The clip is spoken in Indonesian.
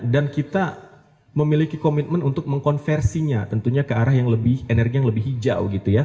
dan kita memiliki komitmen untuk mengkonversinya tentunya ke arah energi yang lebih hijau